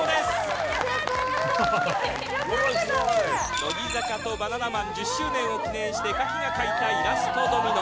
乃木坂４６とバナナマン１０周年を記念して賀喜が描いたイラストドミノ。